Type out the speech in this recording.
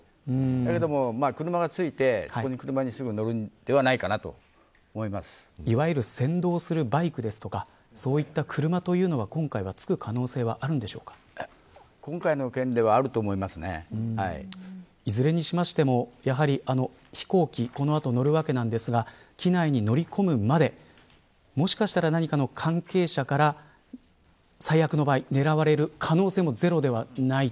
けれども、車がついて車にすぐ乗るんではないかなといわゆる先導するバイクですとかそういった車というのは今回は今回の件ではいずれにしましてもやはり飛行機、この後乗るわけなんですが機内に乗り込むまでもしかしたら、何かの関係者から最悪の場合、狙われる可能性もゼロではないと